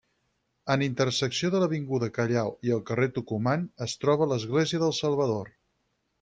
En intersecció de l'Avinguda Callao i el carrer Tucumán, es troba l'Església del Salvador.